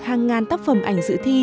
hàng ngàn tác phẩm ảnh dự thi